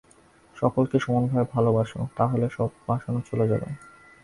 সকলকে সমানভাবে ভালবাসো, তা হলে সব বাসনা চলে যাবে।